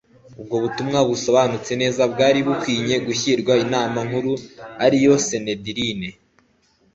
Ubwo butumwa busobanutse neza bwari bukwinye gushyirwa inama nkuru ariyo Sanedrine.